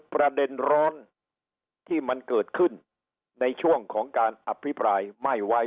ประเด็นร้อนที่มันเกิดขึ้นในช่วงของการอภิปรายไม่ไว้